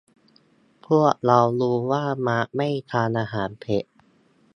พวกเรารู้ว่ามาร์คไม่ทานอาหารเผ็ด